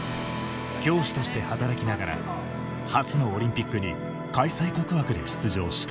教師として働きながら初のオリンピックに開催国枠で出場した。